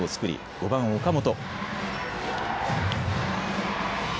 ５番・岡本。